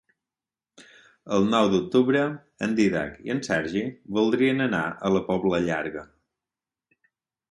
El nou d'octubre en Dídac i en Sergi voldrien anar a la Pobla Llarga.